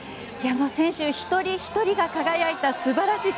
選手一人ひとりが輝いて素晴らしい。